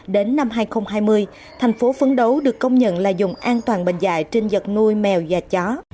đến năm hai nghìn hai mươi thành phố phấn đấu được công nhận là dùng an toàn bệnh dại trên vật nuôi mèo và chó